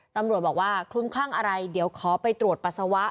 ตำรวจบอกว่าคลุมคลั่งอะไรเดี๋ยวขอไปตรวจปัสสาวะ